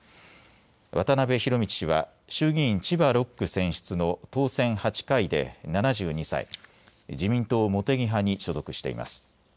渡辺博道氏は衆議院千葉６区選出の当選８回で７２歳、自民党茂木派に所属しています。